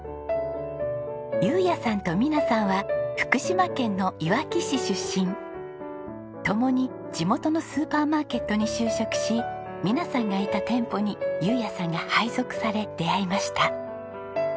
雄也さんと美奈さんはともに地元のスーパーマーケットに就職し美奈さんがいた店舗に雄也さんが配属され出会いました。